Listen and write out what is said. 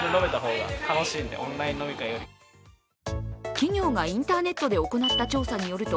企業がインターネットで行った調査によると